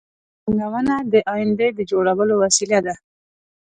پانګونه د آینده د جوړولو وسیله ده